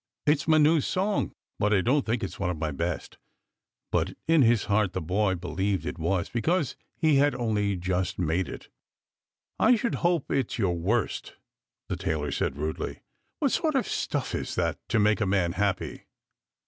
" It's my new song, but I don't think it's one of iny best." But in his heart the boy THE POET'S ALLEGORY 211 believed it was, because he had only just made it. " I should hope it's your worst," the tailor said rudely. " What sort of stuff is that to make a man happy?"